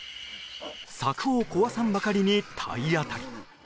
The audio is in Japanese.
柵を壊さんばかりに体当たり。